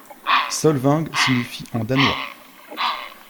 Solvang signifie en danois.